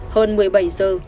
hơn một mươi bảy giờ